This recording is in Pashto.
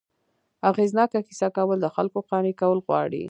اغېزناکه کیسه کول، د خلکو قانع کول غواړي.